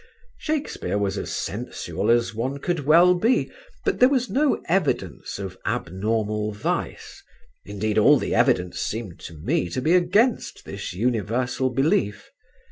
Shakespeare was as sensual as one could well be; but there was no evidence of abnormal vice; indeed, all the evidence seemed to me to be against this universal belief.